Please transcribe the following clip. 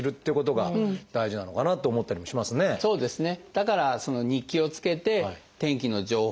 だから日記をつけて天気の情報と見比べる。